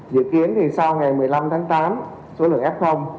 dự kiến thì sau ngày một mươi năm tháng tám số lượng f